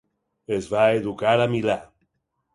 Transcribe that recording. Es va educar a Milà.